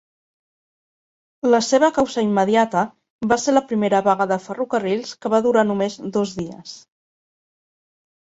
La seva causa immediata va ser la primera vaga de ferrocarrils que va durar només dos dies.